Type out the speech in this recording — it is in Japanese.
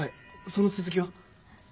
その続きは？